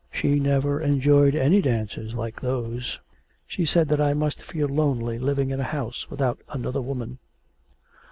She never enjoyed any dances like those. She said that I must feel lonely living in a house without another woman.'